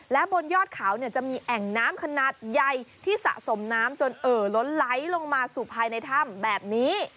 และบนยอดเขาเนี่ยจะมีแอ่งน้ำขนาดใหญ่ที่สะสมน้ำจนเอ่อล้นไหลลงมาสู่ภายในถ้ำแบบนี้